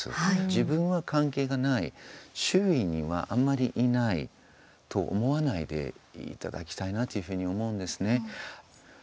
自分は関係がない周囲にはあんまりいないと思わないでいただきたいなというふうに思うんですね。